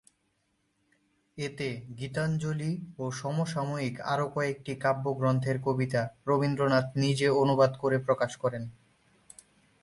এতে "গীতাঞ্জলি" ও সমসাময়িক আরও কয়েকটি কাব্যগ্রন্থের কবিতা রবীন্দ্রনাথ নিজে অনুবাদ করে প্রকাশ করেন।